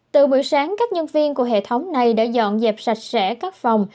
từ buổi sáng các nhân viên của hệ thống này đã dọn dẹp sạch sẽ các phòng